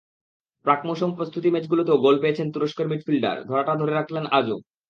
প্রাক-মৌসুম প্রস্তুতি ম্যাচগুলোতেও গোল পেয়েছেন তুরস্কের মিডফিল্ডার, ধারাটা ধরে রাখলেন আজও।